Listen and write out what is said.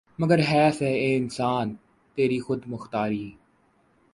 مگر حیف ہے اے انسان تیری خود مختاری